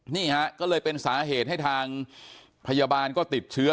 นี่ฮะก็เลยเป็นสาเหตุให้ทางพยาบาลก็ติดเชื้อ